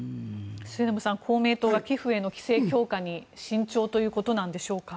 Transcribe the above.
末延さん、公明党が寄付への規制強化に慎重ということなんでしょうか。